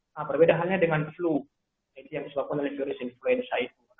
nah berbeda halnya dengan flu itu yang disebabkan oleh virus influenza itu